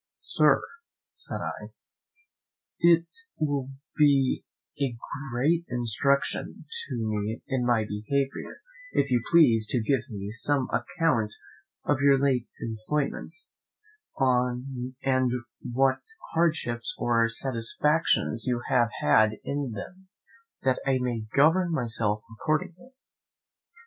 "Sir," said I, "it will be a great instruction to me in my behaviour if you please to give me some account of your late employments, and what hardships or satisfactions you have had in them, that I may govern myself accordingly."